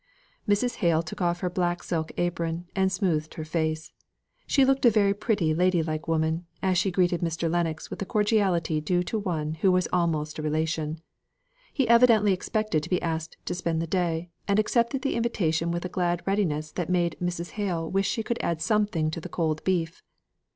Mrs. Hale took off her black silk apron, and smoothed her face. She looked a very pretty lady like woman, as she greeted Mr. Lennox with the cordiality due to one who was almost a relation. He evidently expected to be asked to spend the day, and accepted the invitation with a glad readiness that made Mrs. Hale wish she could add something to the cold beef.